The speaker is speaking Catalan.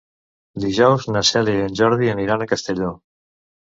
Dijous na Cèlia i en Jordi aniran a Castelló.